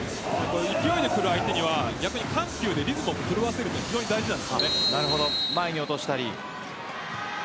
勢いでくる相手には緩急でリズムを狂わせるのは非常に重要です。